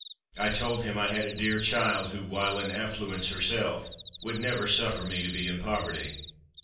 I told him I had a dear child, who, while in affluence herself, would never suffer me to be in poverty.